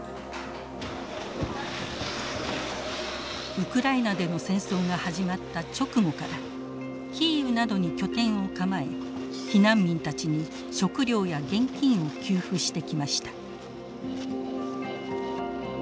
ウクライナでの戦争が始まった直後からキーウなどに拠点を構え避難民たちに食料や現金を給付してきました。